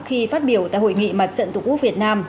khi phát biểu tại hội nghị mặt trận tổ quốc việt nam